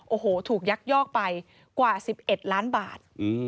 โอ้โหถูกยักยอกไปกว่า๑๑ล้านบาท